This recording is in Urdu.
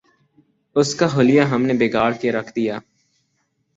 اس کا حلیہ ہم نے بگاڑ کے رکھ دیا۔